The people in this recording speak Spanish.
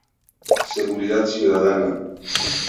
Seguridad Ciudadana.